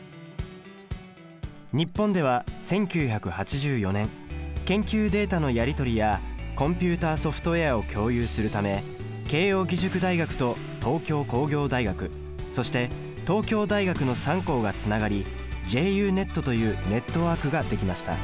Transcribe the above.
日本では１９８４年研究データのやり取りやコンピュータソフトウエアを共有するため慶應義塾大学と東京工業大学そして東京大学の３校がつながりＪＵＮＥＴというネットワークが出来ました。